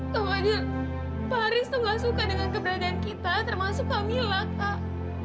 kak fadil pak haris itu tidak suka dengan keberadaan kita termasuk kak mila kak